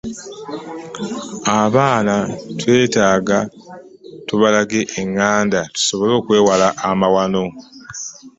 Abaana twetaaga tubalage enganda tusobole okwewala amawano.